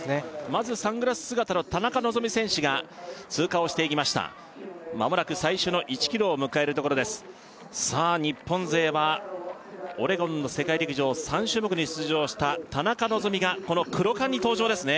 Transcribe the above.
まずサングラス姿の田中希実選手が通過をしていきましたまもなく最初の１ｋｍを迎えるところですさあ日本勢はオレゴンの世界陸上３種目に出場した田中希実がこのクロカンに登場ですね